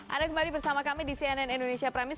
anda kembali bersama kami di cnn indonesia prime news